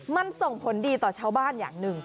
มันส่งผลดีต่อชาวบ้านอย่างหนึ่ง